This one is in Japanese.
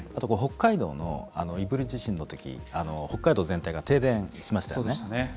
北海道の胆振地震のとき北海道全体が停電しましたよね。